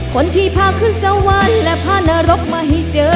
คนที่พาขึ้นสวรรค์และพานรกมาให้เจอ